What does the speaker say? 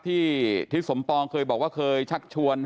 ที่ฐิตรสมภองเคยบอกคอยชักชวนให้